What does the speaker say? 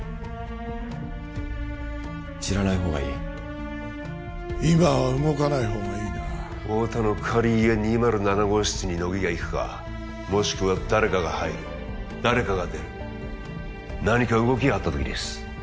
知らないほうがいい今は動かないほうがいいな太田の仮家２０７号室に乃木が行くかもしくは誰かが入る誰かが出る何か動きがあった時です